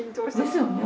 ですよね。